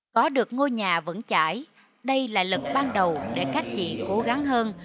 có được ngôi nhà vững chải đây là lực ban đầu để các chị cố gắng hơn